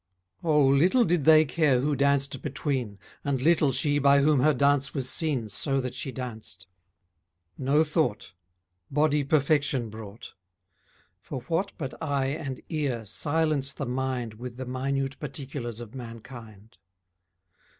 Oh, little did they care who danced between, And little she by whom her dance was seen So that she danced. No thought, Body perfection brought, For what but eye and ear silence the mind With the minute particulars of mankind?